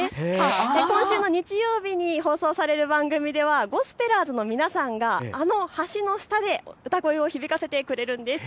今週の日曜日に放送される番組ではゴスペラーズの皆さんがあの橋の下で歌声を響かせてくれるんです。